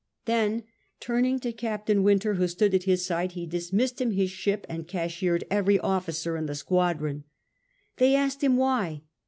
Then turning to Captain Wynter, who stood at his side, he dismissed him his ship, and cashiered every officer in the squadron. They asked him why.